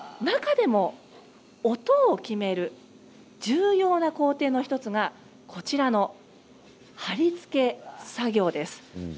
中でも、音を決める重要な工程の１つがこちらの貼り付け作業です。